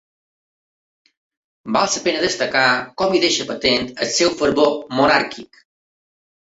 Val la pena destacar com hi deixa patent el seu fervor monàrquic.